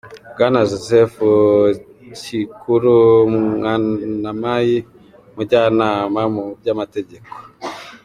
Bwana Joseph Cikuru Mwanamayi, Umujyanama mu by’amategeko,